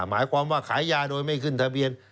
หมายความว่าขายยาโดยไม่ขึ้นทะเบียน